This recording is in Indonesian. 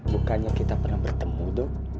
bukannya kita pernah bertemu dok